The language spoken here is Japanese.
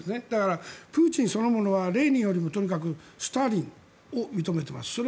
だからプーチンそのものはレーニンよりもとにかくスターリンを認めています。